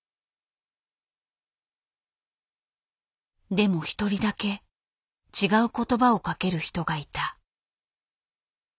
でも一人だけ違う言葉をかける人がいた。